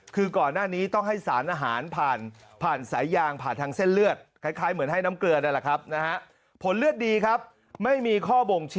คือก่อนหน้านี้ต้องให้สารอาหารผ่านสายยาง